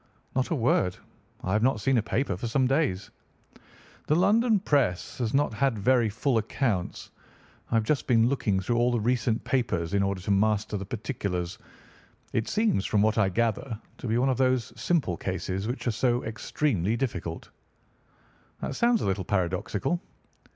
"Not a word. I have not seen a paper for some days." "The London press has not had very full accounts. I have just been looking through all the recent papers in order to master the particulars. It seems, from what I gather, to be one of those simple cases which are so extremely difficult." "That sounds a little paradoxical."